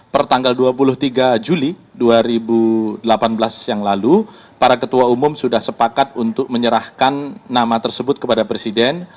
pertanggal dua puluh tiga juli dua ribu delapan belas yang lalu para ketua umum sudah sepakat untuk menyerahkan nama tersebut kepada presiden